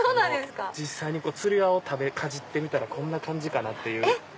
実際につり輪をかじってみたらこんな感じかなっていう。